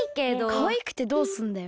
かわいくてどうすんだよ。